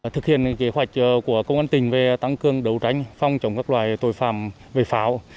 thực hiện kế hoạch của công an tỉnh về tăng cường đấu tranh phòng chống các loài tội phạm về pháo